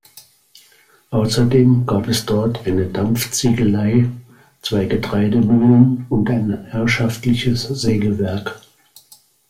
Außerdem gab es dort eine Dampfziegelei, zwei Getreidemühlen und ein herrschaftliches Sägewerk.